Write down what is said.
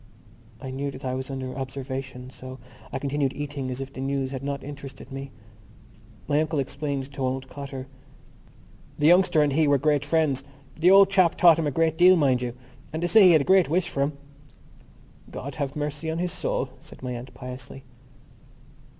I knew that I was under observation so I continued eating as if the news had not interested me. My uncle explained to old Cotter. "The youngster and he were great friends. The old chap taught him a great deal, mind you; and they say he had a great wish for him." "God have mercy on his soul," said my aunt piously.